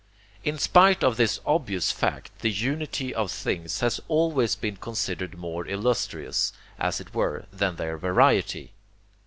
In spite of this obvious fact the unity of things has always been considered more illustrious, as it were, than their variety.